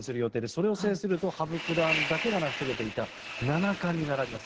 それを制すると羽生九段だけが成し遂げていた七冠に並びます。